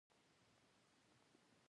د یوه زرین سړي د طلايي عمر بولم.